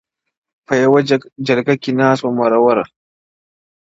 په یوه جرګه کي ناست وه مروروه-